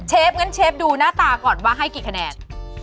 งั้นเชฟดูหน้าตาก่อนว่าให้กี่คะแนน